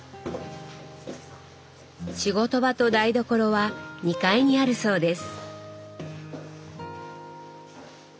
仕事場と台所は２階にあるそうです。